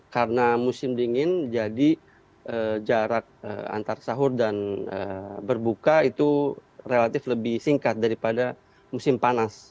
karena musim dingin jadi jarak antar sahur dan berbuka itu relatif lebih singkat daripada musim panas